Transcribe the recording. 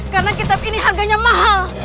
karena kitab ini harganya mahal